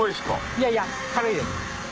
いやいや軽いです。